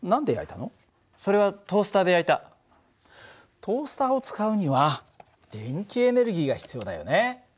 トースターを使うには電気エネルギーが必要だよね。